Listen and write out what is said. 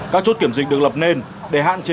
các chốt kiểm dịch được lập nên để hạn chế